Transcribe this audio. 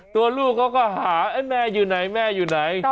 ตัวลูกเขาก็หาแม่อยู่ไหนแม่อยู่ไหน